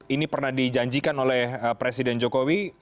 ini pernah dijanjikan oleh presiden jokowi